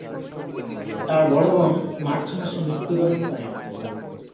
তার বড় বোন মার্চ মাসে মৃত্যুবরণ করে।